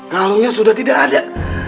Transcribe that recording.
kalungnya sudah tidak ada